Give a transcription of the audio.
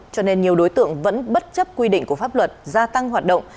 cho nên nhiều đối tượng vẫn bất chấp quy định của pháp luật gia tăng hoạt động